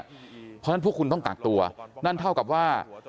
เพราะฉะนั้นพวกคุณต้องกักตัวนั่นเท่ากับว่า